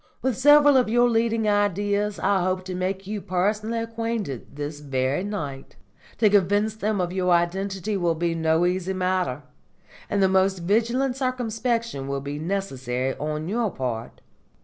With several of your leading Ideas I hope to make you personally acquainted this very night. To convince them of your identity will be no easy matter, and the most vigilant circumspection will be necessary on your part.